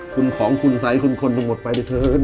คุณของคุณสัยคุณคนทุกข์หมดไปเถอะเถิด